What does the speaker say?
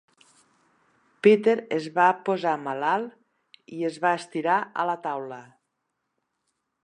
Peter es va posar malalt, i es va estirar a la taula